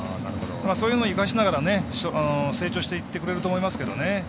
そういうのを生かしながら成長していってくれると思いますけどね。